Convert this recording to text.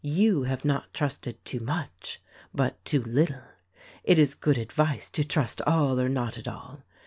You have not trusted too much, but too little. It is good advice to 'Trust all or not at all.'